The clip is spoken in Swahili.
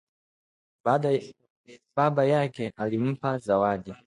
Baba yake alimpa zawadi